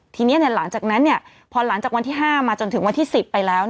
ทีนี้หลังจากนั้นพอหลังจากวันที่๕มาจนถึงวันที่๑๐ไปแล้ว